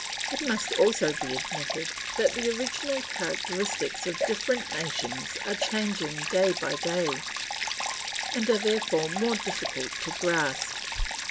It must also be admitted that the original characteristics of different nations are changing day by day, and are therefore more difficult to grasp.